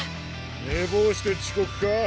寝坊して遅刻か？